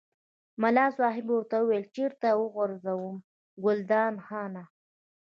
ملا صاحب ورته وویل چېرته یې وغورځوم ګلداد خانه.